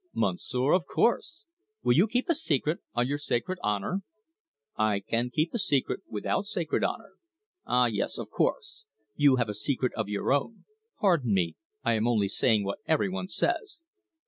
"Monsieur, of course! Will you keep a secret on your sacred honour?" "I can keep a secret without sacred honour." "Ah, yes, of course! You have a secret of your own pardon me, I am only saying what every one says.